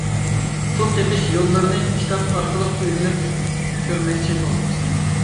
پۇل تېپىش يوللىرىنى كىتاب ئارقىلىق ئۆگىنىپ كۆرمەكچى بولدى.